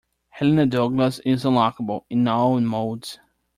Helena Douglas is unlockable in all modes.